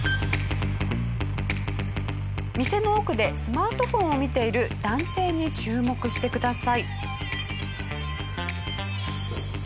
店の奥でスマートフォンを見ている男性に注目してください。